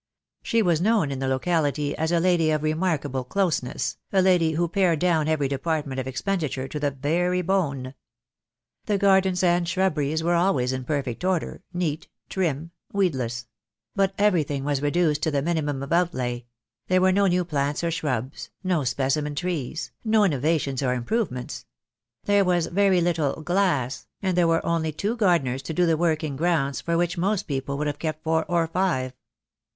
She was known in the locality as a lady of remarkable "closeness,"' a lady who pared down every department of expenditure to the very bone. The gardens and shrubberies were always in perfect order, neat, trim, weedless; but everything was reduced to the minimum of outlay; there were no new plants or shrubs, no specimen trees, no innovations or improvements; there was very little "glass," and there were only two gar deners to do the work in grounds for which most people would have kept four or five.